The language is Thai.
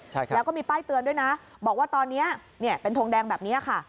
แล้วก็มีป้ายเตือนด้วยนะบอกว่าตอนนี้เป็นทงแดงแบบนี้ค่ะ